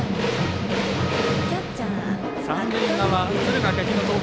三塁側敦賀気比の投球